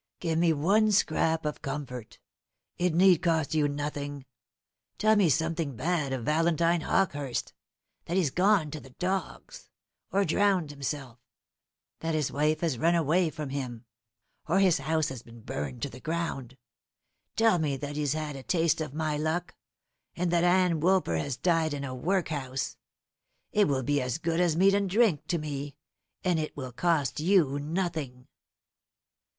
Give me one scrap of comfort. It need cost you nothing. Tell me something bad of Valentine Hawkehurst: that he's gone to the dogs, or drowned himself; that his wife has run away from him, or his house been burned to the ground. Tell me that he's had a taste of my luck; and that Ann Woolper has died in a workhouse. It will be as good as meat and drink to me, and it will cost you nothing."